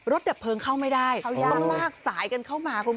ดับเพลิงเข้าไม่ได้ต้องลากสายกันเข้ามาคุณ